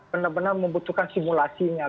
benar benar membutuhkan simulasinya